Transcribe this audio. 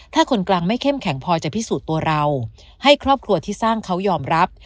ถ้าคนกลางไม่เข้มแข็งพอจะพิสูจน์ตัวเราให้ครอบครัวที่สร้างเขายอมรับ